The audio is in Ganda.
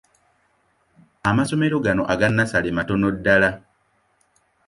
Amasomero gano aga nnassale matono ddala.